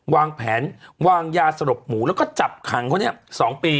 วางแผนวางยาสลบหมูแล้วก็จับขังเขาเนี่ย๒ปี